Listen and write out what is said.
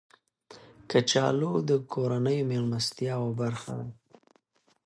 کچالو د کورنیو میلمستیاو برخه ده